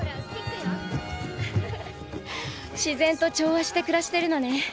自然と調和して暮らしてるのね。